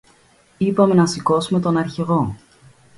Είπαμε να σηκώσομε τον Αρχηγό